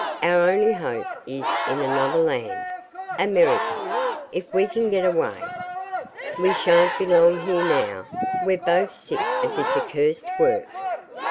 Our only hope is in another land America if we can get away. We shan't be long here now; we're both sick of this accursed work.'